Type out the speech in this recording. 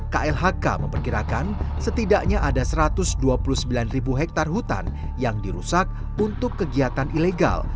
klhk memperkirakan setidaknya ada satu ratus dua puluh sembilan ribu hektare hutan yang dirusak untuk kegiatan ilegal